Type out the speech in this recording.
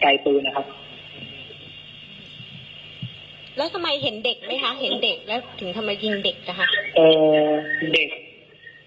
ไกลปืนนะครับแล้วสมัยเห็นเด็กไหมคะเห็นเด็กแล้วถึงทำไมยิงเด็กนะครับ